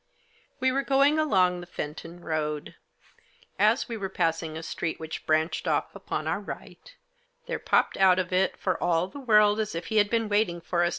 We were going along the Fenton Road, As we were passing a street, which branched off upon our right, there popped out of it, for all the world as if he had been waiting for us Digitized by 16 THE JOSS.